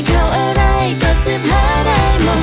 เสริมเสน่ห์อะไรวะ